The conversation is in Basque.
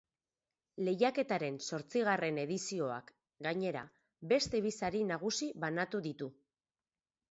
Lehiaketaren zortzigarren edizioak, gainera, beste bi sari nagusi banatu ditu.